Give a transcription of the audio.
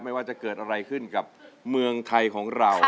ไม่ว่าจะเกิดอะไรขึ้นกับเมืองไทยของเรา